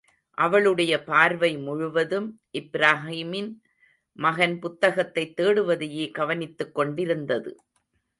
அவளுடைய பார்வை முழுவதும், இப்ராஹீமின் மகன் புத்தகத்தைத் தேடுவதையே கவனித்துக் கொண்டிருந்தது.